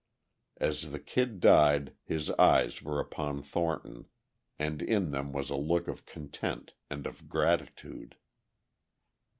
As the Kid died his eyes were upon Thornton, and in them was a look of content and of gratitude!